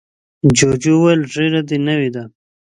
جوجو وویل ږیره دې نوې ده.